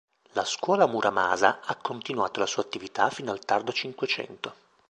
La scuola Muramasa ha continuato la sua attività fino al tardo Cinquecento.